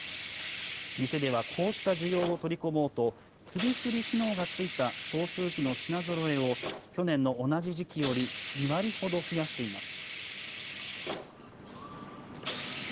店ではこうした需要を取り込もうと、首振り機能がついた送風機の品ぞろえを、去年の同じ時期より２割ほど増やしています。